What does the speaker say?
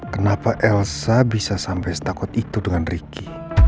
kenapa elsa bisa sampai setakut itu dengan ricky